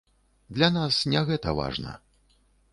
Для нас не гэта важна.